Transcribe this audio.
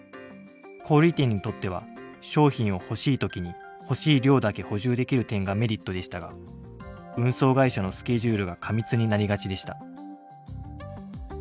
小売り店にとっては商品を欲しい時に欲しい量だけ補充できる点がメリットでしたが運送会社のスケジュールが過密になりがちでした。